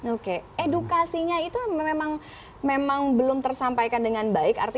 oke edukasinya itu memang belum tersampaikan dengan baik